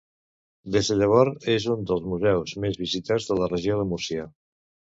Des de llavors és un dels museus més visitats de la Regió de Múrcia.